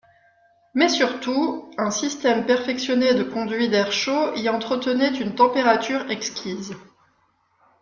Mais surtout un système perfectionné de conduits d’air chaud y entretenait une température exquise.